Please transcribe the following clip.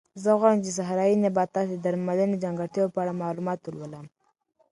زه غواړم چې د صحرایي نباتاتو د درملنې د ځانګړتیاوو په اړه معلومات ولولم.